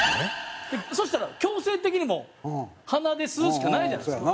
そしたら強制的にもう鼻で吸うしかないじゃないですか。